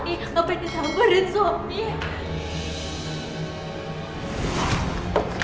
ngapain disabarin sony